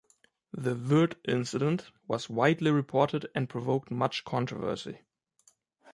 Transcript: The "Wirt Incident" was widely reported and provoked much controversy.